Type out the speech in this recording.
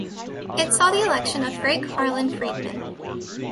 It saw the election of Frank Harlan Freedman.